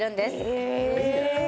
へえ！